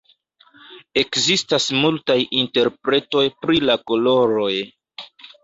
Ekzistas multaj interpretoj pri la koloroj.